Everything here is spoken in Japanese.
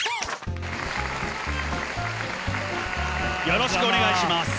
よろしくお願いします。